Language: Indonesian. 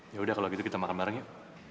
yaudah kalau gitu kita makan bareng yuk